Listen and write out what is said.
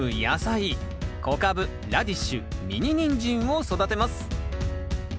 小カブラディッシュミニニンジンを育てます。